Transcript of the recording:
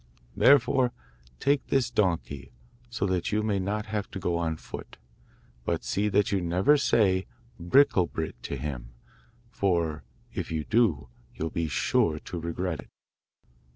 Therefore, take this donkey, so that you may not have to go on foot; but see that you never say "Bricklebrit" to him, for if you do you'll be sure to regret it.